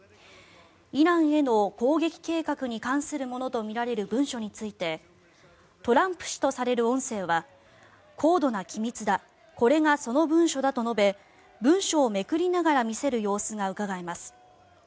イランへの攻撃計画に関するものとみられる文書についてトランプ氏とされる音声は高度な機密だこれがその文書だと述べ文書をめくりながら見せる様子がうかがえます。